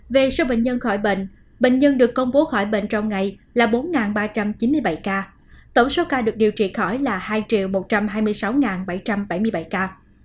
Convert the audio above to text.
về số bệnh nhân khỏi bệnh bệnh nhân được công bố khỏi bệnh trong ngày là bốn ba trăm chín mươi bảy ca tổng số ca được điều trị khỏi là hai một trăm hai mươi sáu bảy trăm bảy mươi bảy ca